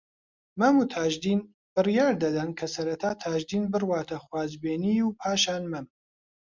مەم و تاجدین بڕیار دەدەن کە سەرەتا تاجدین بڕواتە خوازبێنیی و پاشان مەم